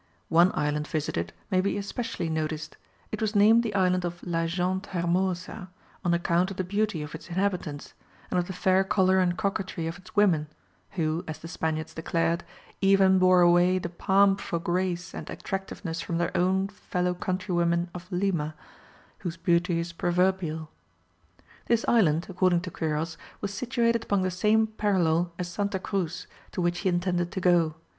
One island visited may be especially noticed; it was named the island of la Gente Hermosa on account of the beauty of its inhabitants, and of the fair colour and coquetry of its women, who, as the Spaniards declared, even bore away the palm for grace and attractiveness from their own fellow countrywomen of Lima, whose beauty is proverbial. This island, according to Quiros, was situated upon the same parallel as Santa Cruz, to which he intended to go.